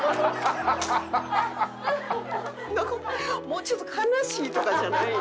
もうちょっと悲しいとかじゃないん？